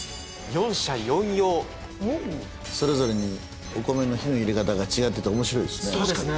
四者四様それぞれにお米の火の入れ方が違ってておもしろいですね